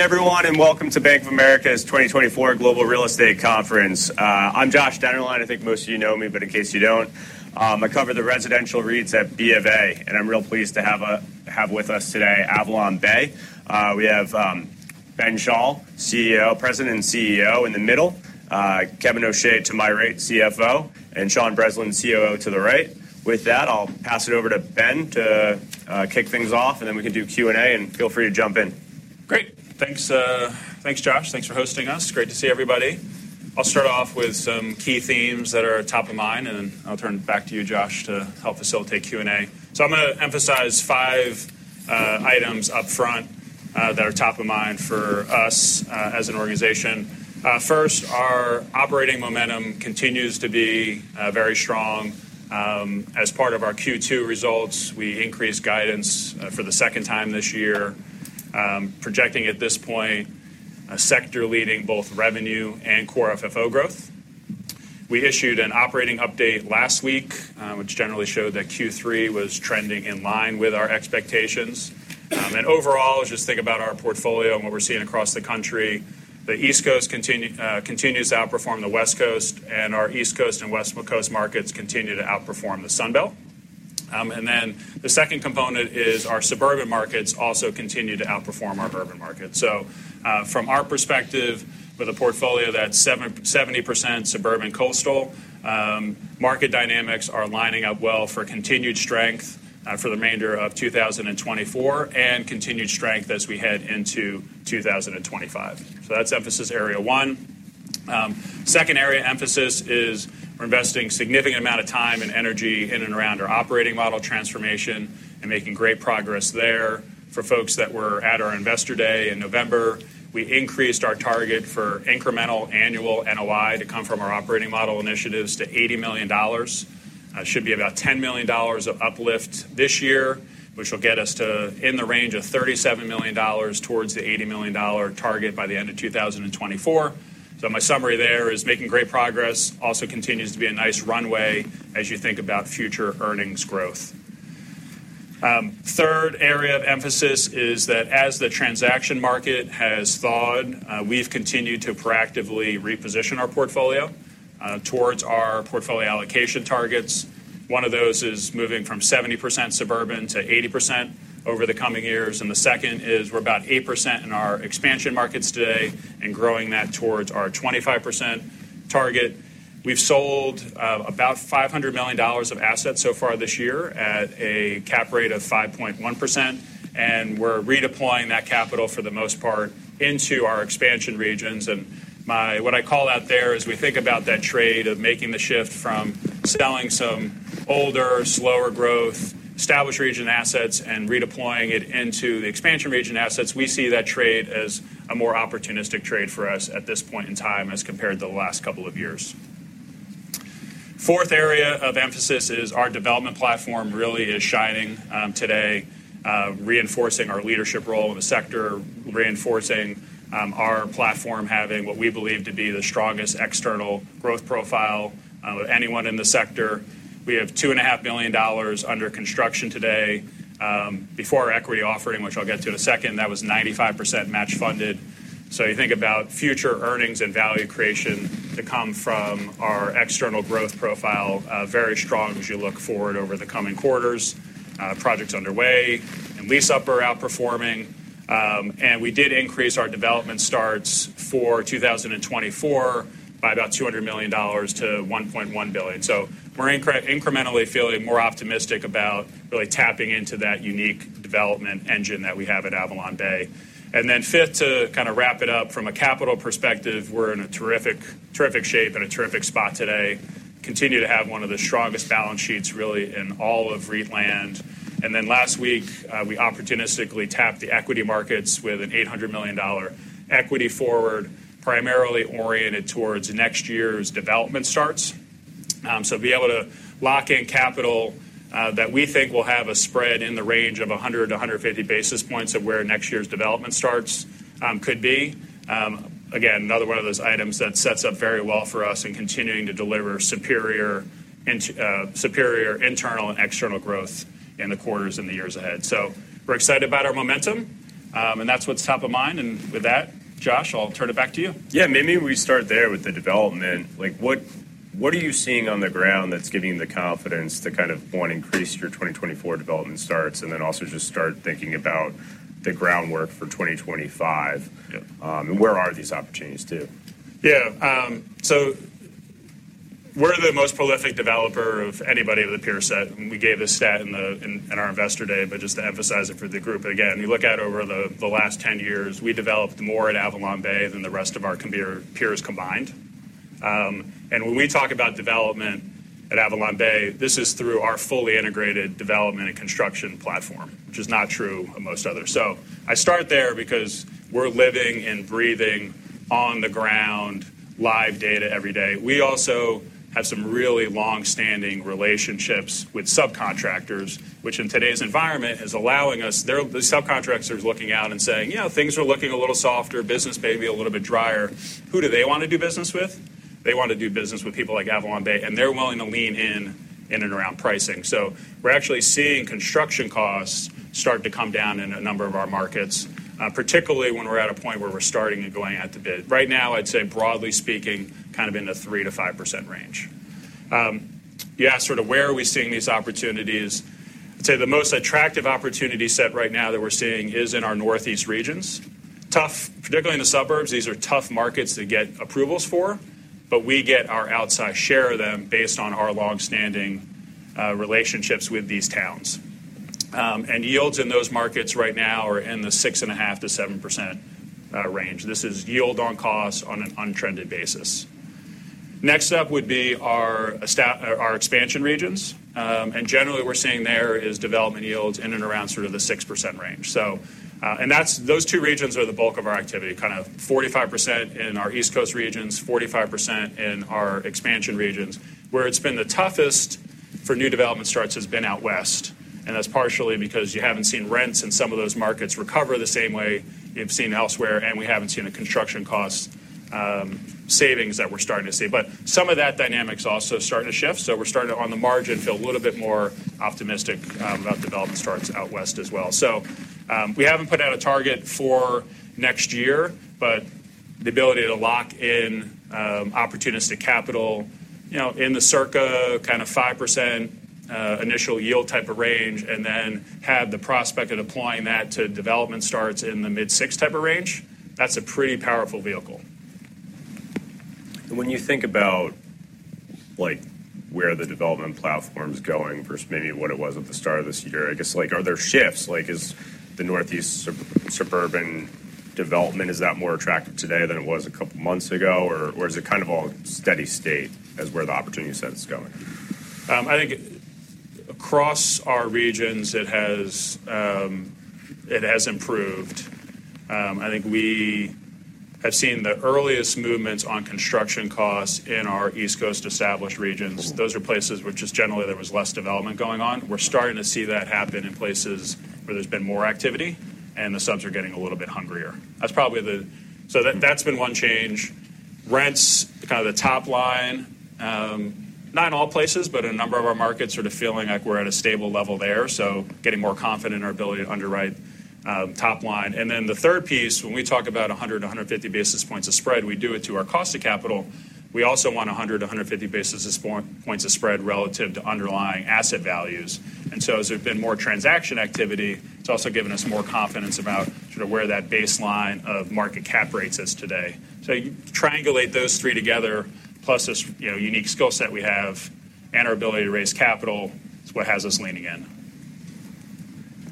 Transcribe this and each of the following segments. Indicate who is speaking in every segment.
Speaker 1: Everyone, and welcome to Bank of America's 2024 Global Real Estate Conference. I'm Josh Dennerlein. I think most of you know me, but in case you don't, I cover the residential REITs at B of A, and I'm real pleased to have with us today AvalonBay. We have Ben Schall, President and CEO in the middle, Kevin O'Shea, to my right, CFO, and Sean Breslin, COO, to the right. With that, I'll pass it over to Ben to kick things off, and then we can do Q&A, and feel free to jump in.
Speaker 2: Great! Thanks, thanks, Josh. Thanks for hosting us. Great to see everybody. I'll start off with some key themes that are top of mind, and then I'll turn it back to you, Josh, to help facilitate Q&A. So I'm gonna emphasize five items up front that are top of mind for us as an organization. First, our operating momentum continues to be very strong. As part of our Q2 results, we increased guidance for the second time this year, projecting at this point a sector leading both revenue and Core FFO growth. We issued an operating update last week, which generally showed that Q3 was trending in line with our expectations, and overall, just think about our portfolio and what we're seeing across the country. The East Coast continues to outperform the West Coast, and our East Coast and West Coast markets continue to outperform the Sun Belt, and then the second component is our suburban markets also continue to outperform our urban markets, so from our perspective, with a portfolio that's 70% suburban coastal, market dynamics are lining up well for continued strength, for the remainder of 2024, and continued strength as we head into two thousand and twenty-five, so that's emphasis area one. Second area emphasis is we're investing significant amount of time and energy in and around our operating model transformation and making great progress there. For folks that were at our Investor Day in November, we increased our target for incremental annual NOI to come from our operating model initiatives to $80 million. That should be about $10 million of uplift this year, which will get us to in the range of $37 million towards the $80 million target by the end of 2024. So my summary there is making great progress, also continues to be a nice runway as you think about future earnings growth. Third area of emphasis is that as the transaction market has thawed, we've continued to proactively reposition our portfolio, towards our portfolio allocation targets. One of those is moving from 70% suburban to 80% over the coming years, and the second is we're about 8% in our expansion markets today and growing that towards our 25% target. We've sold about $500 million of assets so far this year at a cap rate of 5.1%, and we're redeploying that capital for the most part into our expansion regions. What I call out there, as we think about that trade of making the shift from selling some older, slower growth, established region assets and redeploying it into the expansion region assets, we see that trade as a more opportunistic trade for us at this point in time as compared to the last couple of years. Fourth area of emphasis is our development platform really is shining today, reinforcing our leadership role in the sector, reinforcing our platform, having what we believe to be the strongest external growth profile with anyone in the sector. We have $2.5 billion under construction today, before our equity offering, which I'll get to in a second, that was 95% match funded. So you think about future earnings and value creation to come from our external growth profile, very strong as you look forward over the coming quarters, projects underway and lease-up are outperforming. And we did increase our development starts for 2024 by about $200 million to $1.1 billion. So we're incrementally feeling more optimistic about really tapping into that unique development engine that we have at AvalonBay. And then fifth, to kind of wrap it up, from a capital perspective, we're in a terrific, terrific shape and a terrific spot today. We continue to have one of the strongest balance sheets really in all of REIT land. And then last week, we opportunistically tapped the equity markets with an $800 million equity forward, primarily oriented towards next year's development starts. So be able to lock in capital, that we think will have a spread in the range of 100-150 basis points of where next year's development starts, could be. Again, another one of those items that sets up very well for us in continuing to deliver superior internal and external growth in the quarters in the years ahead. So we're excited about our momentum, and that's what's top of mind, and with that, Josh, I'll turn it back to you.
Speaker 3: Yeah, maybe we start there with the development. Like, what are you seeing on the ground that's giving you the confidence to kind of, one, increase your 2024 development starts, and then also just start thinking about the groundwork for 2025?
Speaker 2: Yep.
Speaker 3: And where are these opportunities, too?
Speaker 2: Yeah, so we're the most prolific developer of anybody in the peer set, and we gave a stat in our Investor Day, but just to emphasize it for the group, again, you look at over the last 10 years, we developed more at AvalonBay than the rest of our peers combined. When we talk about development at AvalonBay, this is through our fully integrated development and construction platform, which is not true of most others. I start there because we're living and breathing on the ground, live data every day. We also have some really long-standing relationships with subcontractors, which in today's environment is allowing us. They're the subcontractors looking out and saying, "You know, things are looking a little softer, business may be a little bit drier." Who do they want to do business with? They want to do business with people like AvalonBay, and they're willing to lean in, in and around pricing. So we're actually seeing construction costs start to come down in a number of our markets, particularly when we're at a point where we're starting and going out to bid. Right now, I'd say broadly speaking, kind of in the 3%-5% range. You asked sort of where are we seeing these opportunities? I'd say the most attractive opportunity set right now that we're seeing is in our Northeast regions. Particularly in the suburbs, these are tough markets to get approvals for, but we get our outsized share of them based on our long-standing relationships with these towns. And yields in those markets right now are in the 6.5%-7% range. This is yield on costs on an untrended basis. Next up would be our expansion regions, and generally, what we're seeing there is development yields in and around sort of the 6% range. So, and that's those two regions are the bulk of our activity, kind of 45% in our East Coast regions, 45% in our expansion regions. Where it's been the toughest for new development starts has been out West, and that's partially because you haven't seen rents in some of those markets recover the same way you've seen elsewhere, and we haven't seen a construction cost savings that we're starting to see. But some of that dynamic's also starting to shift, so we're starting to, on the margin, feel a little bit more optimistic about development starts out West as well. So, we haven't put out a target for next year, but the ability to lock in opportunistic capital, you know, in the circa kind of 5% initial yield type of range, and then have the prospect of applying that to development starts in the mid 6% type of range, that's a pretty powerful vehicle.
Speaker 3: When you think about, like, where the development platform's going versus maybe what it was at the start of this year, I guess, like, are there shifts? Like, is the Northeast suburban development, is that more attractive today than it was a couple of months ago, or is it kind of all steady state as where the opportunity set is going?
Speaker 2: I think across our regions, it has improved. I think we have seen the earliest movements on construction costs in our East Coast established regions. Those are places which just generally there was less development going on. We're starting to see that happen in places where there's been more activity, and the subs are getting a little bit hungrier. That's probably. So that, that's been one change. Rents, kind of the top line, not in all places, but in a number of our markets, sort of feeling like we're at a stable level there, so getting more confident in our ability to underwrite, top line. And then the third piece, when we talk about 100-150 basis points of spread, we do it to our cost of capital. We also want 100-150 basis points of spread relative to underlying asset values, and so as there's been more transaction activity, it's also given us more confidence about sort of where that baseline of market cap rates is today, so you triangulate those three together, plus this, you know, unique skill set we have and our ability to raise capital, is what has us leaning in.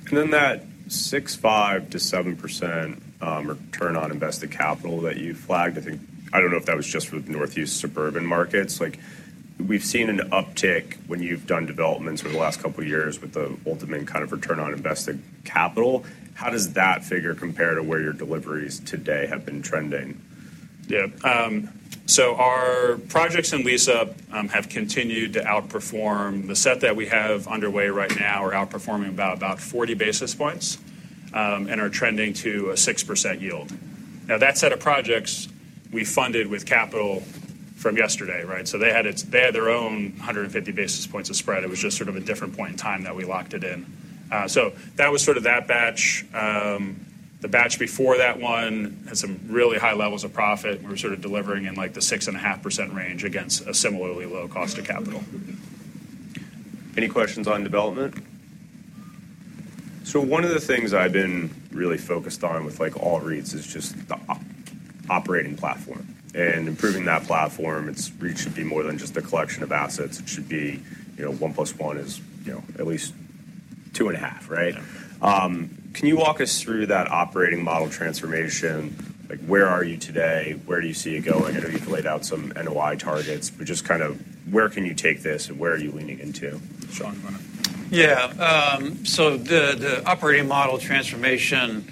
Speaker 3: And then that 6.5%-7% return on invested capital that you flagged, I think. I don't know if that was just for the Northeast suburban markets. Like, we've seen an uptick when you've done developments over the last couple of years with the ultimate kind of return on invested capital. How does that figure compare to where your deliveries today have been trending?
Speaker 2: Yeah. So our projects in lease-up have continued to outperform. The set that we have underway right now are outperforming by about 40 basis points, and are trending to a 6% yield. Now, that set of projects we funded with capital from yesterday, right? So they had it - they had their own 150 basis points of spread. It was just sort of a different point in time that we locked it in, so that was sort of that batch. The batch before that one had some really high levels of profit, and we're sort of delivering in, like, the 6.5% range against a similarly low cost of capital.
Speaker 1: Any questions on development?
Speaker 4: So one of the things I've been really focused on with, like, all REITs is just the operating platform. And improving that platform, its reach should be more than just a collection of assets. It should be, you know, one plus one is, you know, at least two and a half, right?
Speaker 2: Yeah.
Speaker 3: Can you walk us through that operating model transformation? Like, where are you today? Where do you see it going? I know you've laid out some NOI targets, but just kind of where can you take this, and where are you leaning into?
Speaker 2: Sean you wanna?
Speaker 5: Yeah. So the operating model transformation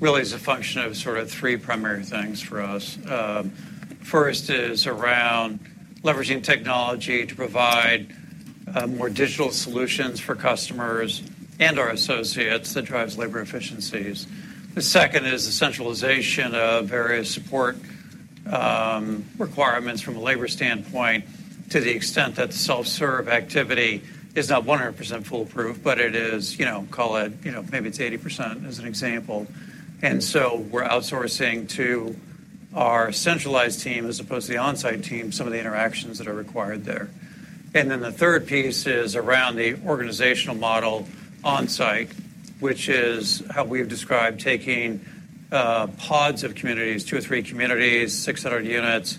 Speaker 5: really is a function of sort of three primary things for us. First is around leveraging technology to provide more digital solutions for customers and our associates that drives labor efficiencies. The second is the centralization of various support requirements from a labor standpoint, to the extent that the self-serve activity is not 100% foolproof, but it is, you know, call it, you know, maybe it's 80%, as an example. And so we're outsourcing to our centralized team, as opposed to the on-site team, some of the interactions that are required there. And then the third piece is around the organizational model on-site, which is how we've described taking pods of communities, two or three communities, 600 units,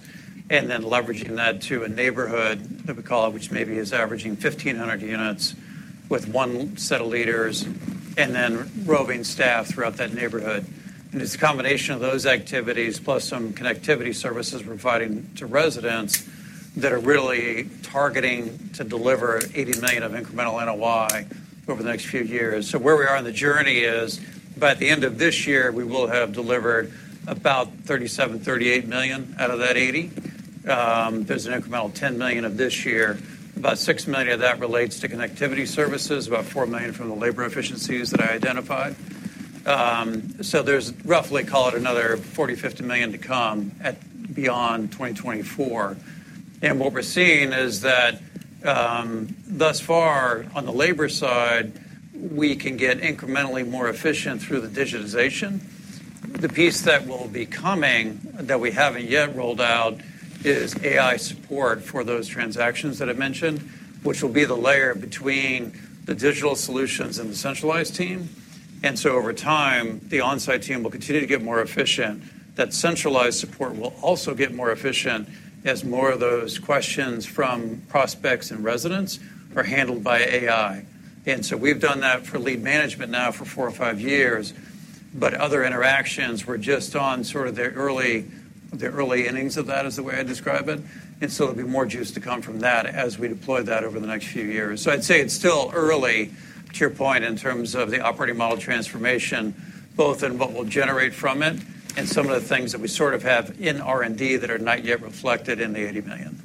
Speaker 5: and then leveraging that to a neighborhood that we call, which maybe is averaging 1,500 units with one set of leaders and then roving staff throughout that neighborhood. And it's a combination of those activities, plus some connectivity services we're providing to residents, that are really targeting to deliver $80 million of incremental NOI over the next few years. So where we are on the journey is, by the end of this year, we will have delivered about $37-$38 million out of that $80 million. There's an incremental $10 million this year. About $6 million of that relates to connectivity services, about $4 million from the labor efficiencies that I identified. So there's roughly, call it another $40-$50 million to come after 2024. And what we're seeing is that, thus far, on the labor side, we can get incrementally more efficient through the digitization. The piece that will be coming, that we haven't yet rolled out, is AI support for those transactions that I mentioned, which will be the layer between the digital solutions and the centralized team. And so over time, the onsite team will continue to get more efficient. That centralized support will also get more efficient as more of those questions from prospects and residents are handled by AI. And so we've done that for lead management now for four or five years, but other interactions, we're just in sort of the early innings of that, is the way I describe it. And so there'll be more juice to come from that as we deploy that over the next few years. So I'd say it's still early, to your point, in terms of the operating model transformation, both in what we'll generate from it and some of the things that we sort of have in R&D that are not yet reflected in the $80 million.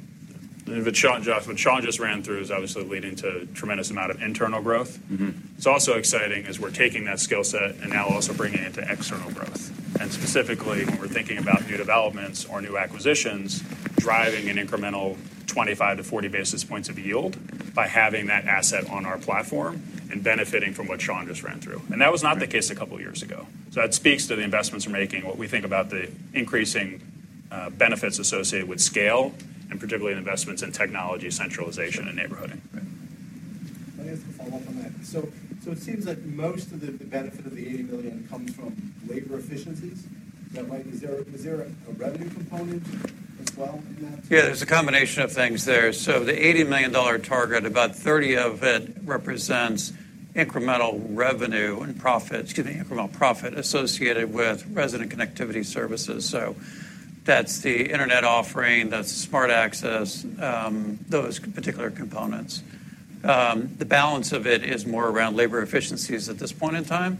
Speaker 2: Josh, what Sean just ran through is obviously leading to a tremendous amount of internal growth.
Speaker 1: Mm-hmm.
Speaker 2: It's also exciting as we're taking that skill set and now also bringing it to external growth, and specifically, when we're thinking about new developments or new acquisitions, driving an incremental 25-40 basis points of yield by having that asset on our platform and benefiting from what Sean just ran through, and that was not the case a couple of years ago, so that speaks to the investments we're making, what we think about the increasing benefits associated with scale, and particularly investments in technology, centralization, and neighborhooding.
Speaker 5: Right.
Speaker 4: I guess to follow up on that. So it seems like most of the benefit of the $80 million comes from labor efficiencies. Is there a revenue component as well in that?
Speaker 5: Yeah, there's a combination of things there. So the $80 million target, about $30 million of it represents incremental revenue and profits. Excuse me, incremental profit associated with resident connectivity services. So that's the internet offering, that's smart access, those particular components. The balance of it is more around labor efficiencies at this point in time.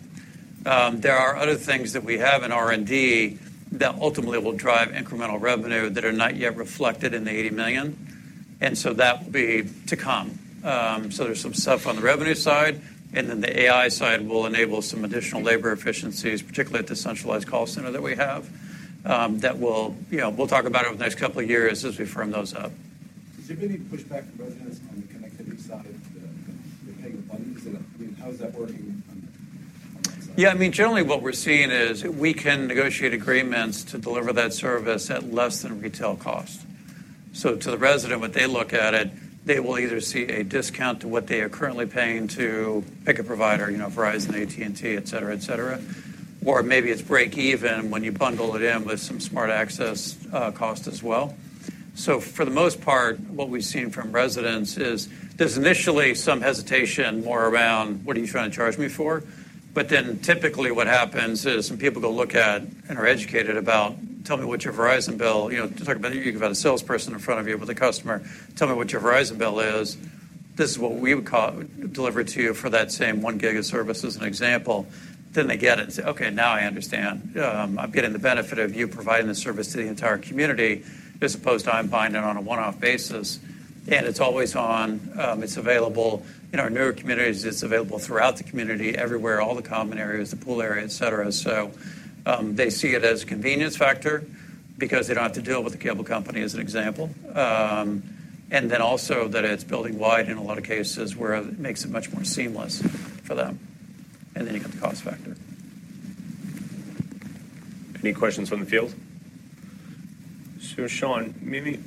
Speaker 5: There are other things that we have in R&D that ultimately will drive incremental revenue that are not yet reflected in the $80 million, and so that will be to come. So there's some stuff on the revenue side, and then the AI side will enable some additional labor efficiencies, particularly at the centralized call center that we have, that we'll, you know, we'll talk about it over the next couple of years as we firm those up.
Speaker 4: Is there any pushback from residents on the connectivity side of the paying bundle? How is that working on that side?
Speaker 5: Yeah, I mean, generally what we're seeing is we can negotiate agreements to deliver that service at less than retail cost. So to the resident, when they look at it, they will either see a discount to what they are currently paying to pick a provider, you know, Verizon, AT&T, et cetera, et cetera, or maybe it's break even when you bundle it in with some smart access cost as well. So for the most part, what we've seen from residents is there's initially some hesitation more around, "What are you trying to charge me for?" But then typically what happens is some people go look at and are educated about, tell me what your Verizon bill... You know, talk about, you can have a salesperson in front of you, but the customer, "Tell me what your Verizon bill is. This is what we would call delivery to you for that same one gig of service, as an example. Then they get it and say, "Okay, now I understand. I'm getting the benefit of you providing this service to the entire community, as opposed to I'm buying it on a one-off basis." And it's always on, it's available. In our newer communities, it's available throughout the community, everywhere, all the common areas, the pool area, et cetera. So, they see it as a convenience factor because they don't have to deal with the cable company, as an example. And then also that it's building-wide in a lot of cases where it makes it much more seamless for them, and then you got the cost factor.
Speaker 1: Any questions from the field?
Speaker 3: Sean, maybe-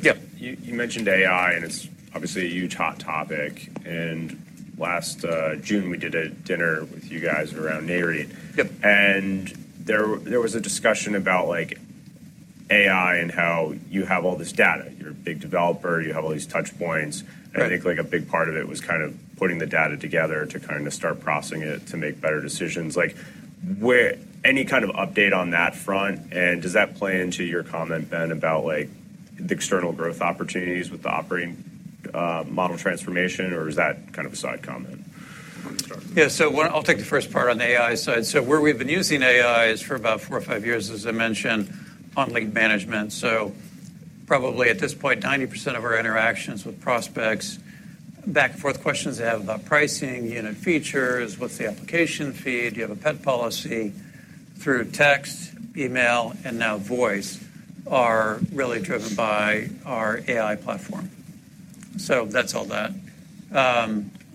Speaker 5: Yep.
Speaker 3: You mentioned AI, and it's obviously a huge hot topic, and last June, we did a dinner with you guys around Nareit.
Speaker 5: Yep.
Speaker 3: There was a discussion about, like, AI and how you have all this data. You're a big developer, you have all these touch points.
Speaker 5: Right.
Speaker 3: And I think like a big part of it was kind of putting the data together to kind of start processing it, to make better decisions. Like, where any kind of update on that front, and does that play into your comment then about, like, the external growth opportunities with the operating model transformation, or is that kind of a side comment?
Speaker 5: Yeah, so I'll take the first part on the AI side. So where we've been using AI is for about four or five years, as I mentioned, on lead management. So probably at this point, 90% of our interactions with prospects, back and forth questions they have about pricing, unit features, what's the application fee? Do you have a pet policy? Through text, email, and now voice, are really driven by our AI platform. So that's all that.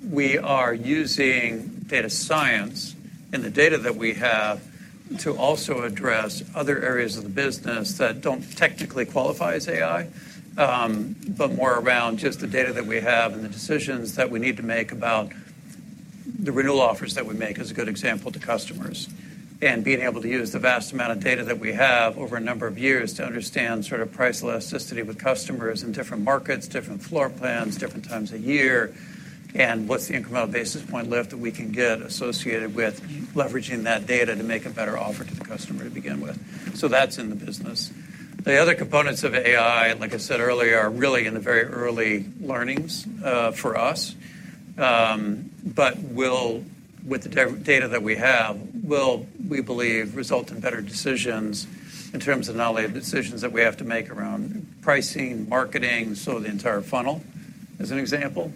Speaker 5: We are using data science and the data that we have to also address other areas of the business that don't technically qualify as AI, but more around just the data that we have and the decisions that we need to make about the renewal offers that we make is a good example to customers. And being able to use the vast amount of data that we have over a number of years to understand sort of price elasticity with customers in different markets, different floor plans, different times of year, and what's the incremental basis point lift that we can get associated with leveraging that data to make a better offer to the customer to begin with. So that's in the business. The other components of AI, like I said earlier, are really in the very early learnings for us, but will, with the data that we have, we believe, result in better decisions in terms of not only the decisions that we have to make around pricing, marketing, so the entire funnel. As an example,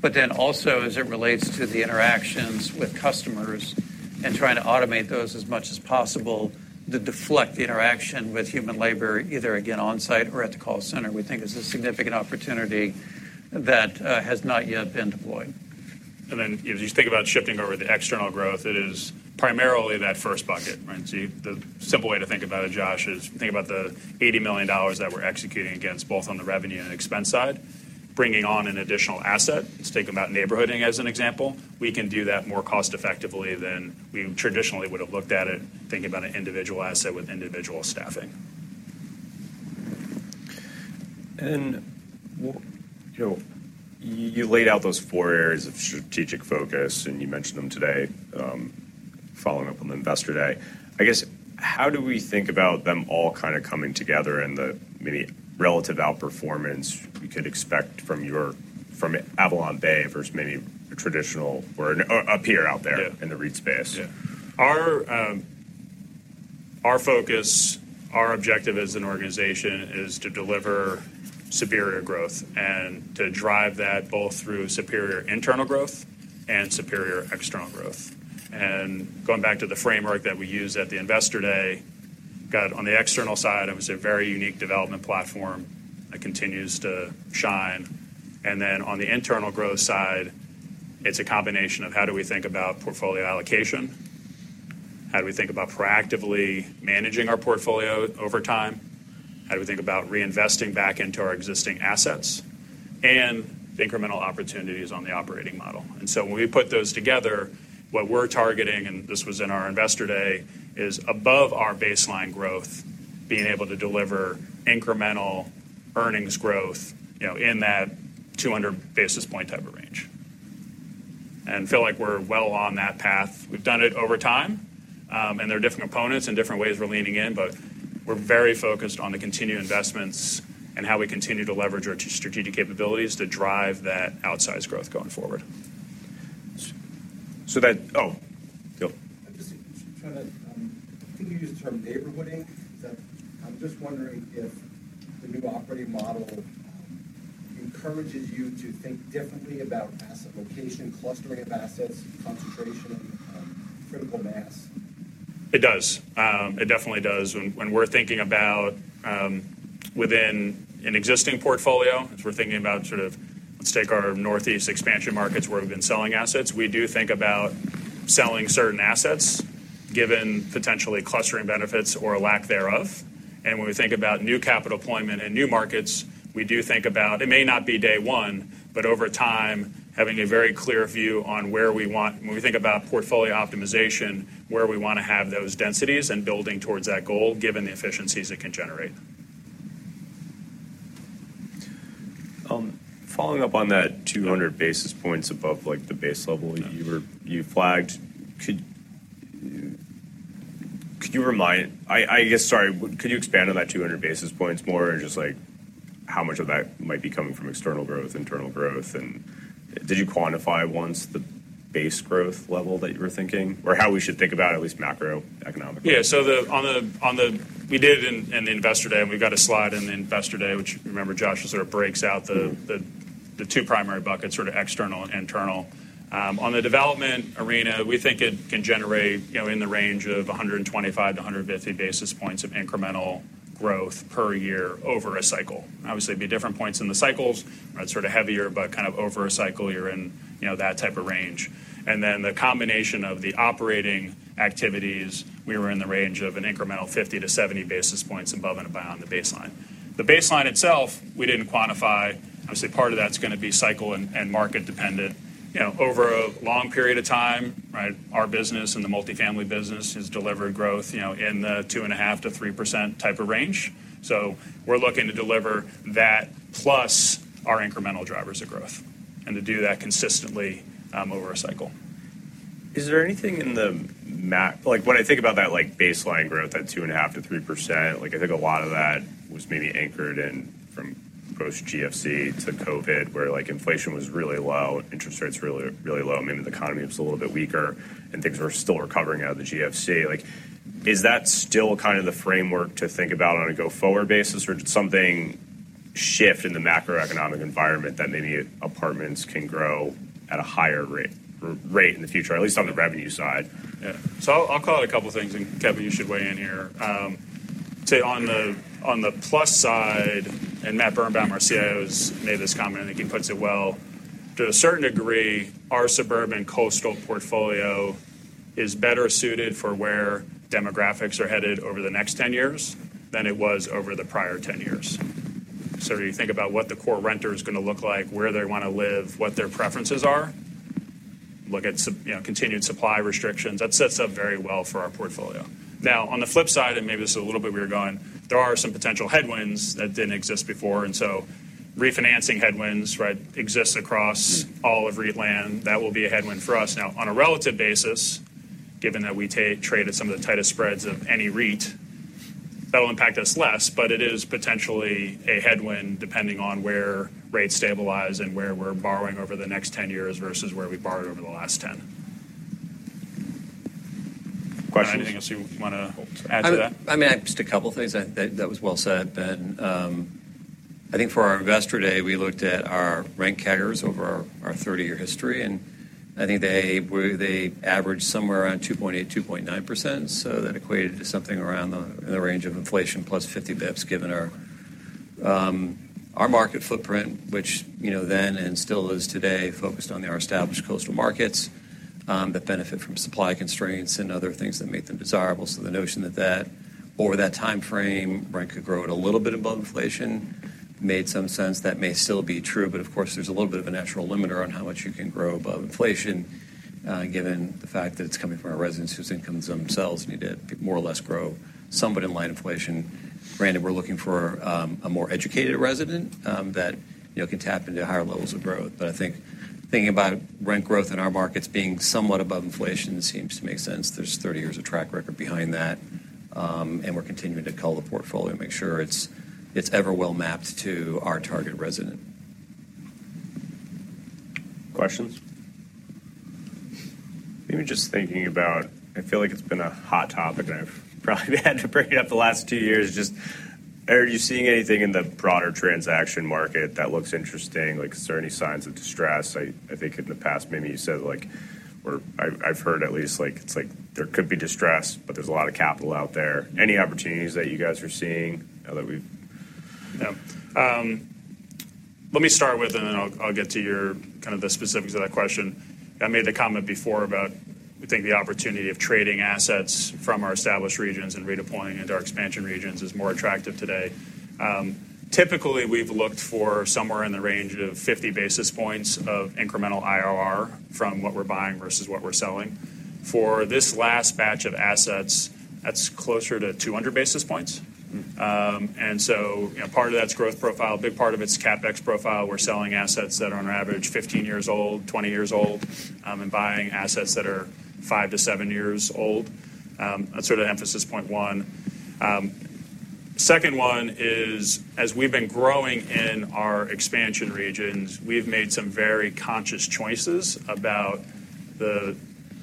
Speaker 5: but then also as it relates to the interactions with customers and trying to automate those as much as possible, to deflect the interaction with human labor, either again, on-site or at the call center, we think is a significant opportunity that has not yet been deployed.
Speaker 2: And then as you think about shifting over the external growth, it is primarily that first bucket, right? So the simple way to think about it, Josh, is think about the $80 million that we're executing against, both on the revenue and expense side, bringing on an additional asset. Let's think about neighborhooding as an example. We can do that more cost effectively than we traditionally would have looked at it, thinking about an individual asset with individual staffing.
Speaker 3: You know, you laid out those four areas of strategic focus, and you mentioned them today, following up on the Investor Day. I guess, how do we think about them all kind of coming together and the maybe relative outperformance we could expect from AvalonBay versus maybe a traditional or a peer out there-
Speaker 2: Yeah.
Speaker 3: In the REIT space?
Speaker 2: Yeah. Our, our focus, our objective as an organization is to deliver superior growth and to drive that both through superior internal growth and superior external growth. And going back to the framework that we used at the Investor Day, got on the external side, it was a very unique development platform that continues to shine. And then on the internal growth side, it's a combination of: How do we think about portfolio allocation? How do we think about proactively managing our portfolio over time? How do we think about reinvesting back into our existing assets and the incremental opportunities on the operating model? And so when we put those together, what we're targeting, and this was in our Investor Day, is above our baseline growth, being able to deliver incremental earnings growth, you know, in that 200 basis points type of range. And feel like we're well on that path. We've done it over time, and there are different components and different ways we're leaning in, but we're very focused on the continued investments and how we continue to leverage our strategic capabilities to drive that outsized growth going forward.
Speaker 4: I'm just trying to. I think you used the term neighborhooding. I'm just wondering if the new operating model encourages you to think differently about asset location, clustering of assets, concentration, critical mass?
Speaker 2: It does. It definitely does. When we're thinking about within an existing portfolio, as we're thinking about sort of. Let's take our Northeast expansion markets, where we've been selling assets. We do think about selling certain assets, given potentially clustering benefits or a lack thereof. And when we think about new capital deployment and new markets, we do think about it. It may not be day one, but over time, having a very clear view on where we want. When we think about portfolio optimization, where we want to have those densities and building towards that goal, given the efficiencies it can generate.
Speaker 3: Following up on that 200 basis points above, like, the base level-
Speaker 2: Yeah
Speaker 3: You were, you flagged, could you remind? I guess, sorry, could you expand on that 200 basis points more, and just, like, how much of that might be coming from external growth, internal growth? And did you quantify once the base growth level that you were thinking, or how we should think about at least macroeconomically?
Speaker 2: Yeah. So the on the-- We did it in the Investor Day, and we've got a slide in the Investor Day, which, remember, Josh, it sort of breaks out the-
Speaker 1: Mm...
Speaker 2: the two primary buckets, sort of external and internal. On the development arena, we think it can generate, you know, in the range of 125-150 basis points of incremental growth per year over a cycle. Obviously, it'd be different points in the cycles, right? Sort of heavier, but kind of over a cycle, you're in, you know, that type of range. And then the combination of the operating activities, we were in the range of an incremental 50-70 basis points above and beyond the baseline. The baseline itself, we didn't quantify. Obviously, part of that's going to be cycle and market dependent. You know, over a long period of time, right, our business and the multifamily business has delivered growth, you know, in the 2.5%-3% type of range. So we're looking to deliver that plus our incremental drivers of growth, and to do that consistently, over a cycle.
Speaker 3: Is there anything in the macro? Like, when I think about that, like, baseline growth at 2.5%-3%, like, I think a lot of that was maybe anchored in from post-GFC to COVID, where, like, inflation was really low, interest rates really, really low. I mean, the economy was a little bit weaker, and things were still recovering out of the GFC. Like, is that still kind of the framework to think about on a go-forward basis, or did something shift in the macroeconomic environment that maybe apartments can grow at a higher rate in the future, at least on the revenue side?
Speaker 2: Yeah. So I'll call out a couple of things, and Kevin, you should weigh in here. Say, on the plus side, and Matt Birenbaum, our CIO, has made this comment, I think he puts it well, to a certain degree, our suburban coastal portfolio is better suited for where demographics are headed over the next 10 years than it was over the prior 10 years. So you think about what the core renter is going to look like, where they want to live, what their preferences are. Look at some, you know, continued supply restrictions. That sets up very well for our portfolio. Now, on the flip side, and maybe this is a little bit where you're going, there are some potential headwinds that didn't exist before, and so refinancing headwinds, right, exists across-
Speaker 1: Mm
Speaker 2: All of REIT land. That will be a headwind for us. Now, on a relative basis, given that we take trade at some of the tightest spreads of any REIT, that will impact us less, but it is potentially a headwind, depending on where rates stabilize and where we're borrowing over the next ten years versus where we borrowed over the last ten...
Speaker 1: Anything else you want to add to that?
Speaker 6: I mean, just a couple of things. That, that was well said, Ben. I think for our investor day, we looked at our rent CAGRs over our, our 30-year history, and I think they were-- they averaged somewhere around 2.8%-2.9%. So that equated to something around the, in the range of inflation, plus 50 basis points, given our, our market footprint, which, you know, then and still is today, focused on our established coastal markets, that benefit from supply constraints and other things that make them desirable. So the notion that that or that time frame rent could grow at a little bit above inflation made some sense. That may still be true, but of course, there's a little bit of a natural limiter on how much you can grow above inflation, given the fact that it's coming from our residents, whose incomes themselves need to more or less grow somewhat in line with inflation. Granted, we're looking for a more educated resident that, you know, can tap into higher levels of growth. But I think thinking about rent growth in our markets being somewhat above inflation seems to make sense. There's thirty years of track record behind that, and we're continuing to cull the portfolio to make sure it's ever well mapped to our target resident.
Speaker 1: Questions?
Speaker 3: Maybe just thinking about... I feel like it's been a hot topic, and I've probably had to bring it up the last two years. Just, are you seeing anything in the broader transaction market that looks interesting? Like, is there any signs of distress? I think in the past, maybe you said, like, or I've heard at least, like, it's like there could be distress, but there's a lot of capital out there. Any opportunities that you guys are seeing now that we've-
Speaker 2: Yeah. Let me start with, and then I'll, I'll get to your kind of the specifics of that question. I made the comment before about, we think the opportunity of trading assets from our established regions and redeploying into our expansion regions is more attractive today. Typically, we've looked for somewhere in the range of 50 basis points of incremental IRR from what we're buying versus what we're selling. For this last batch of assets, that's closer to 200 basis points. And so, you know, part of that's growth profile, a big part of it's CapEx profile. We're selling assets that are on average, 15 years old, 20 years old, and buying assets that are five to seven years old. That's sort of emphasis point one. Second one is, as we've been growing in our expansion regions, we've made some very conscious choices about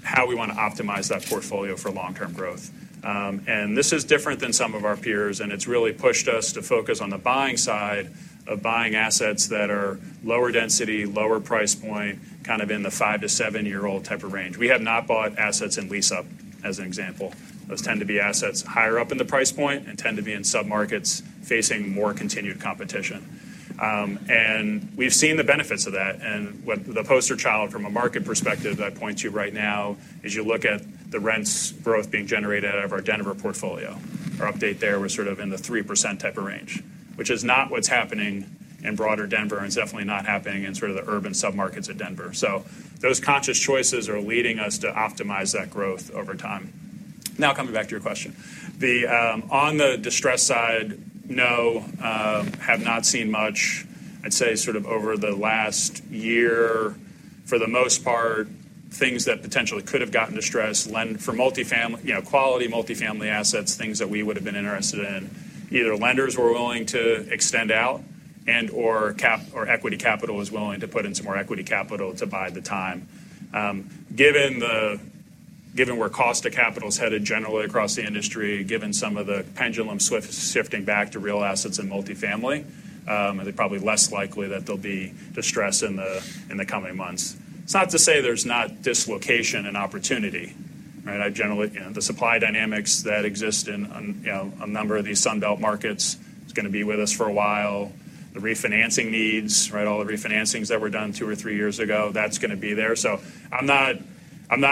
Speaker 2: how we want to optimize that portfolio for long-term growth, and this is different than some of our peers, and it's really pushed us to focus on the buying side of buying assets that are lower density, lower price point, kind of in the five- to seven-year-old type of range. We have not bought assets in lease-up, as an example. Those tend to be assets higher up in the price point and tend to be in submarkets facing more continued competition, and we've seen the benefits of that, and what the poster child from a market perspective I'd point to right now is you look at the rent growth being generated out of our Denver portfolio. Our update there was sort of in the 3% type of range, which is not what's happening in broader Denver, and it's definitely not happening in sort of the urban submarkets of Denver. So those conscious choices are leading us to optimize that growth over time. Now, coming back to your question, the, on the distress side, no, have not seen much. I'd say sort of over the last year, for the most part, things that potentially could have gotten distressed, lenders for multifamily, you know, quality multifamily assets, things that we would have been interested in, either lenders were willing to extend out and/or recap or equity capital was willing to put in some more equity capital to buy time. Given where cost of capital is headed generally across the industry, given some of the pendulum swiftly shifting back to real assets and multifamily, they're probably less likely that there'll be distress in the coming months. It's not to say there's not dislocation and opportunity, right? I generally, you know, the supply dynamics that exist in, you know, a number of these Sun Belt markets is going to be with us for a while. The refinancing needs, right? All the refinancings that were done two or three years ago, that's going to be there. So I'm not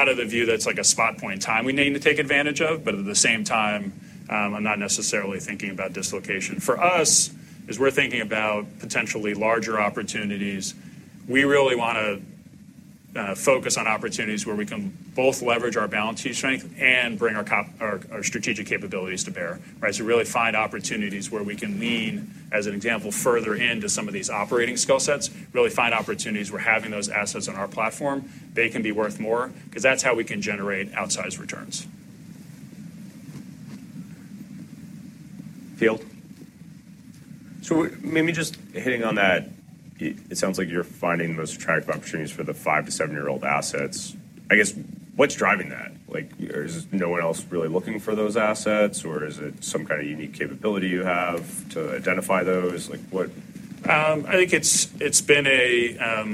Speaker 2: of the view that it's like a spot point in time we need to take advantage of, but at the same time, I'm not necessarily thinking about dislocation. For us, as we're thinking about potentially larger opportunities, we really want to focus on opportunities where we can both leverage our balance sheet strength and bring our strategic capabilities to bear, right? So really find opportunities where we can lean, as an example, further into some of these operating skill sets. Really find opportunities where having those assets on our platform, they can be worth more, 'cause that's how we can generate outsized returns. Field?
Speaker 7: So maybe just hitting on that, it sounds like you're finding the most attractive opportunities for the five- to seven-year-old assets. I guess, what's driving that? Like, is no one else really looking for those assets, or is it some kind of unique capability you have to identify those? Like, what...
Speaker 2: I think it's been a...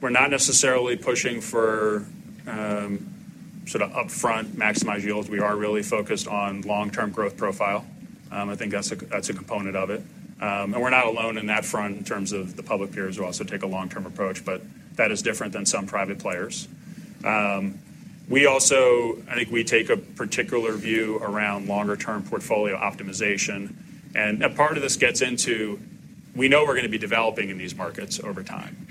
Speaker 2: We're not necessarily pushing for sort of upfront maximize yields. We are really focused on long-term growth profile. I think that's a component of it. And we're not alone in that front in terms of the public peers who also take a long-term approach, but that is different than some private players. We also, I think we take a particular view around longer-term portfolio optimization, and a part of this gets into, we know we're going to be developing in these markets over time,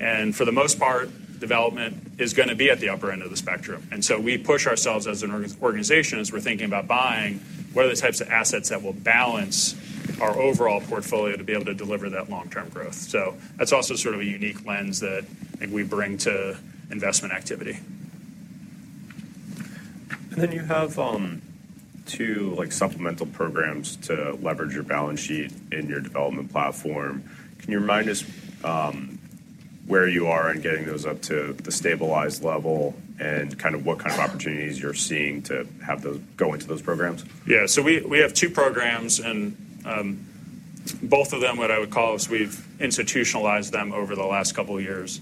Speaker 2: and for the most part, development is going to be at the upper end of the spectrum. And so we push ourselves as an organization, as we're thinking about buying, what are the types of assets that will balance our overall portfolio to be able to deliver that long-term growth? So that's also sort of a unique lens that I think we bring to investment activity.
Speaker 7: And then you have... two, like, supplemental programs to leverage your balance sheet in your development platform. Can you remind us, where you are in getting those up to the stabilized level and kind of what kind of opportunities you're seeing to have those go into those programs?
Speaker 2: Yeah. So we have two programs, and both of them, what I would call, is we've institutionalized them over the last couple of years.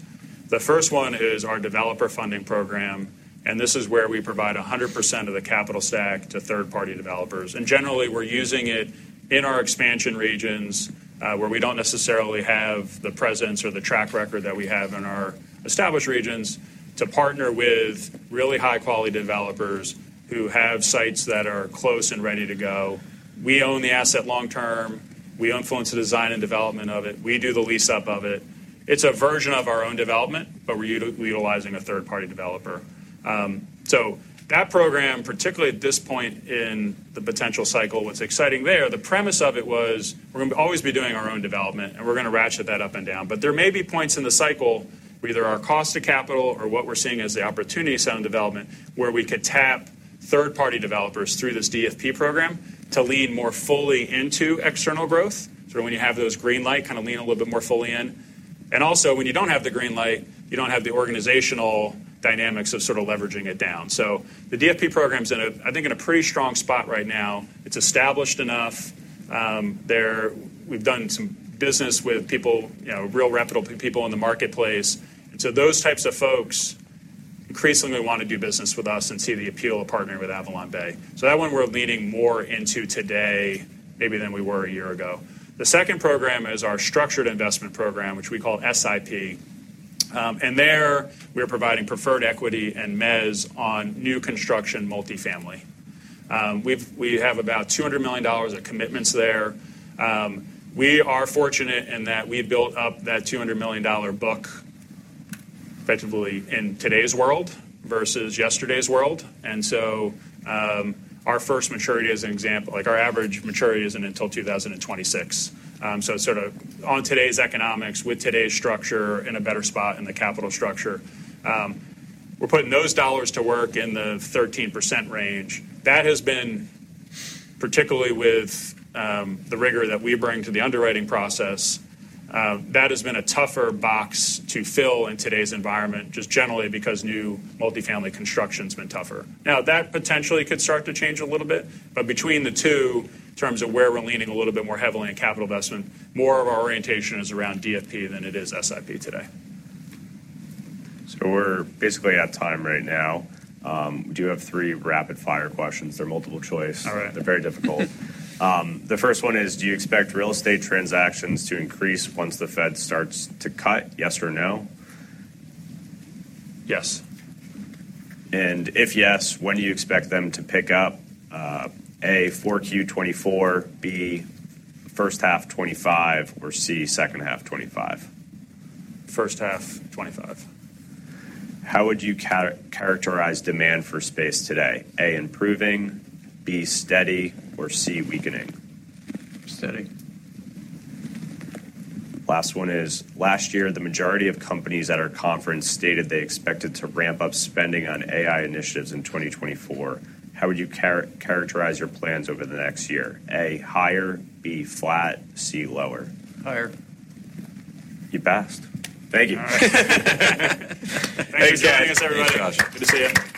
Speaker 2: The first one is our Developer Funding Program, and this is where we provide 100% of the capital stack to third-party developers. And generally, we're using it in our expansion regions, where we don't necessarily have the presence or the track record that we have in our established regions to partner with really high-quality developers who have sites that are close and ready to go. We own the asset long term. We influence the design and development of it. We do the lease-up of it. It's a version of our own development, but we're utilizing a third-party developer. So that program, particularly at this point in the potential cycle, what's exciting there, the premise of it was, we're gonna always be doing our own development, and we're gonna ratchet that up and down. But there may be points in the cycle where either our cost of capital or what we're seeing as the opportunity set on development, where we could tap third-party developers through this DFP program to lean more fully into external growth. So when you have those green light, kind of lean a little bit more fully in. And also, when you don't have the green light, you don't have the organizational dynamics of sort of leveraging it down. So the DFP program's in a pretty strong spot right now, I think. It's established enough. We've done some business with people, you know, real reputable people in the marketplace. And so those types of folks increasingly want to do business with us and see the appeal of partnering with AvalonBay. So that one, we're leaning more into today maybe than we were a year ago. The second program is our Structured Investment Program, which we call SIP. And there we are providing preferred equity and mezz on new construction multifamily. We have about $200 million of commitments there. We are fortunate in that we built up that $200 million book, effectively, in today's world versus yesterday's world. And so, our first maturity as an example, like, our average maturity isn't until 2026. So sort of on today's economics, with today's structure, in a better spot in the capital structure. We're putting those dollars to work in the 13% range. That has been, particularly with, the rigor that we bring to the underwriting process, that has been a tougher box to fill in today's environment, just generally because new multifamily construction's been tougher. Now, that potentially could start to change a little bit, but between the two, in terms of where we're leaning a little bit more heavily on capital investment, more of our orientation is around DFP than it is SIP today.
Speaker 7: So we're basically at time right now. Do you have three rapid-fire questions? They're multiple choice.
Speaker 2: All right.
Speaker 7: They're very difficult. The first one is: Do you expect real estate transactions to increase once the Fed starts to cut, yes or no?
Speaker 2: Yes.
Speaker 7: If yes, when do you expect them to pick up? A, 4Q 2024, B, first half 2025, or C, second half 2025.
Speaker 2: First half-Twenty-five.
Speaker 7: How would you characterize demand for space today? A, improving, B, steady, or C, weakening?
Speaker 2: Steady.
Speaker 7: Last one is, last year, the majority of companies at our conference stated they expected to ramp up spending on AI initiatives in 2024. How would you characterize your plans over the next year? A, higher, B, flat, C, lower.
Speaker 2: Higher.
Speaker 7: You passed. Thank you.
Speaker 8: Thank you, Josh.
Speaker 1: Good to see you.